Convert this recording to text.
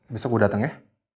besok gue dateng ya